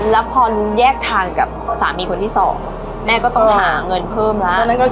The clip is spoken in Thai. แล้วพอแยกทางกับสามีคนที่สองแม่ก็ต้องหาเงินเพิ่มแล้ว